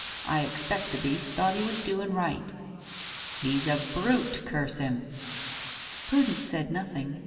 I expect the beast thought he was doing right." "He's a brute. Curse him!" Prudence said nothing.